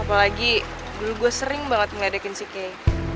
apalagi dulu gue sering banget ngeledekin si kei